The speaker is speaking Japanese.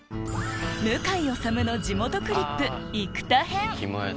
向井理の地元クリップ生田編